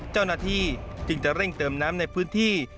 เจ้าหน้าที่จึงจะเร่งเติมน้ำในพื้นที่